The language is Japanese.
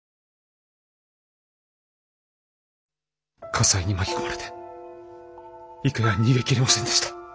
火災に巻き込まれて郁弥は逃げきれませんでした。